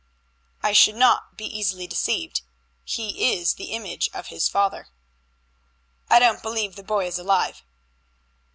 "I should not be easily deceived. He is the image of his father." "I don't believe the boy is alive."